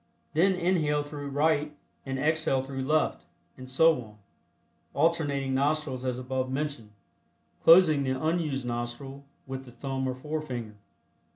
Then inhale through right and exhale through left, and so on, alternating nostrils as above mentioned, closing the unused nostril with the thumb or forefinger.